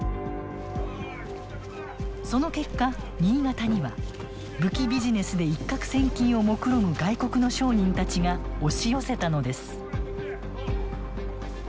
その結果新潟には武器ビジネスで一獲千金をもくろむ外国の商人たちが押し寄せたのです。